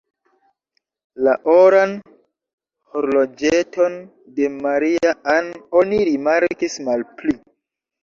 La oran horloĝeton de Maria-Ann oni rimarkis malpli.